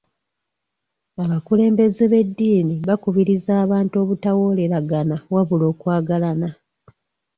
Abakulembeze b'eddiini bakubiriza abantu obutawooleragana wabula okwagalana.